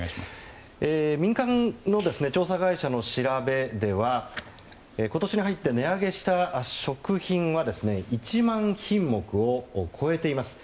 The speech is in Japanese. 民間の調査会社の調べでは今年に入って値上げした食品は１万品目を超えています。